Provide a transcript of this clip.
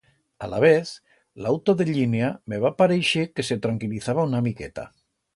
Alavez, l'auto de llinia me va pareixer que se tranquilizaba una miqueta.